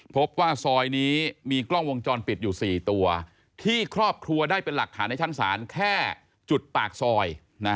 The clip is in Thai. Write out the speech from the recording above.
พบว่าซอยนี้มีกล้องวงจรปิดอยู่๔ตัวที่ครอบครัวได้เป็นหลักฐานในชั้นศาลแค่จุดปากซอย